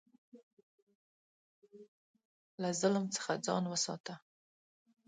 له ظلم څخه ځان وساته.